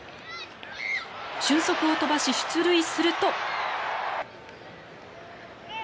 俊足を飛ばし、出塁すると。